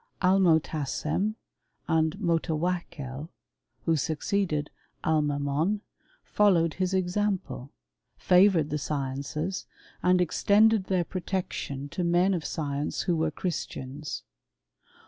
Almotassem and Motawakkel, who succeeded Al '^'^on, followed his example, favoured the sciences, ^ extended their protection to men of science who ^ere Christians.